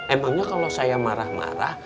emangnya kalau saya marah marah